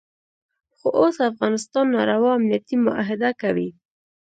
خو اوس افغانستان ناروا امنیتي معاهده کوي.